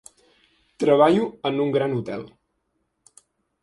Treballo en un gran hotel.